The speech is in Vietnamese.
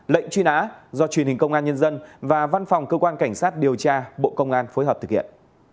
lệnh truy nã do truyền hình công an nhân dân và văn phòng cơ quan cảnh sát điều tra bộ công an phối hợp thực hiện